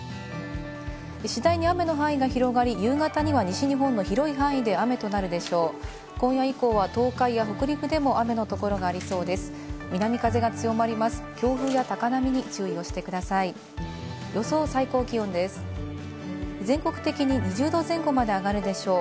次第に雨の範囲が広がり、夕方には西日本の広い範囲で雨となるでしょう。